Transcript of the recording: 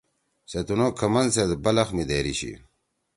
سے تنُو کھمن سیت بلخ می دھیری شی۔